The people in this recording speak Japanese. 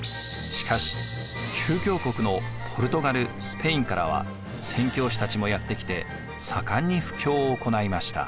しかし旧教国のポルトガル・スペインからは宣教師たちもやって来て盛んに布教を行いました。